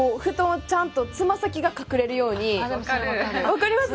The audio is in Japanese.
わかります？